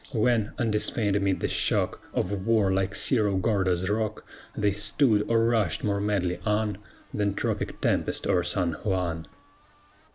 When, undismayed amid the shock Of war, like Cerro Gordo's rock, They stood, or rushed more madly on Than tropic tempest o'er San Juan?